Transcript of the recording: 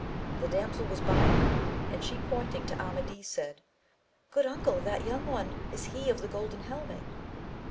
The damsel was by him, and she pointing to Amadis said. Good uncle, that young one is he of the golden helmet.